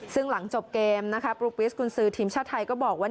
ซึ่งหลังจบเกมนะคะปลูกิสกุญซือทีมชาติไทยก็บอกว่า